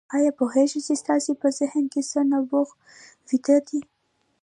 آيا پوهېږئ چې ستاسې په ذهن کې څه نبوغ ويده دی؟